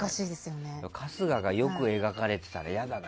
春日がよく描かれてたら嫌だな。